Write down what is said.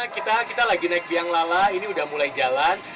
kita lagi naik biang lala ini udah mulai jalan